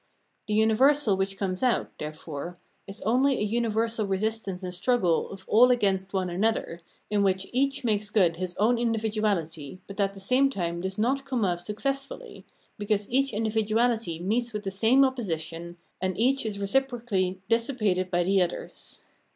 The universal which comes out, therefore, is only a universal resistance and struggle of all against one another, in which each makes good his own individuahty, but at the same time does not come off successfully, because each individuahty meets with the same opposition, and each is reciprocally dissi pated by the others.